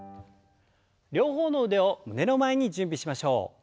両方の腕を胸の前に準備しましょう。